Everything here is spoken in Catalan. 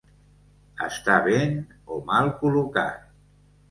Estar ben o mal col·locat.